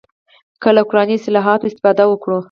که له قراني اصطلاحاتو استفاده وکړو.